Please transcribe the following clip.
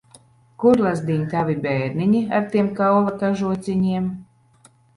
Kur, lazdiņ, tavi bērniņi, ar tiem kaula kažociņiem?